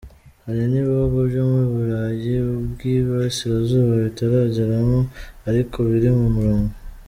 Hari n’ibihugu byo mu Burayi bw’iburasirazuba bitarageramo ariko biri mu murongo.”